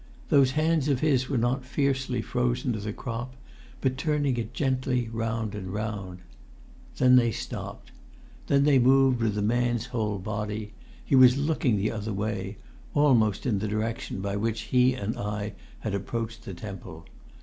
Those hands of his were not fiercely frozen to the crop, but turning it gently round and round. Then they stopped. Then they moved with the man's whole body. He was looking the other way, almost in the direction by which he and I had approached the temple.